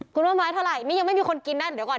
คุณคิดว่าไม้เท่าไหร่นี่ยังไม่มีคนกินน่ะ